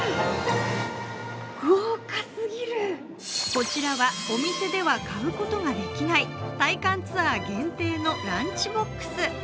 こちらはお店では買うことができない体感ツアー限定のランチボックス。